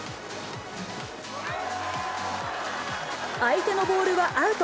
相手のボールはアウト。